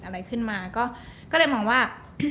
อะไรขึ้นมาก็เลยมองว่า